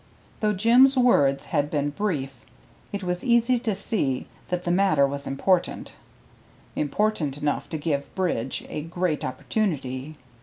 Though Jim's words had been brief, it was easy to see that the matter was important; important enough to give Bridge a great opportunity.